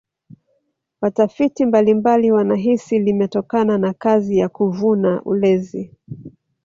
watafiti mbalimbali wanahisi limetokana na kazi ya kuvuna ulezi